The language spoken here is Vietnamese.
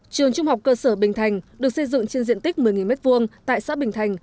trường trung học cơ sở bình thành được xây dựng trên diện tích một mươi m hai tại xã bình thành